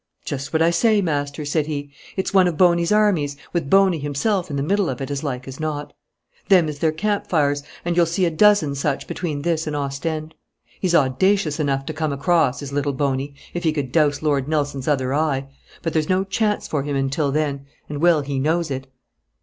'Just what I say, master,' said he. 'It's one of Boney's armies, with Boney himself in the middle of it as like as not. Them is their camp fires, and you'll see a dozen such between this and Ostend. He's audacious enough to come across, is little Boney, if he could dowse Lord Nelson's other eye; but there's no chance for him until then, and well he knows it.'